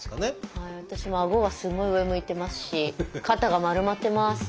私もあごがすごい上向いてますし肩が丸まってます。